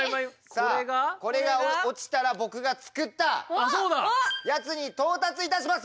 さあこれが落ちたら僕が作ったやつに到達いたします。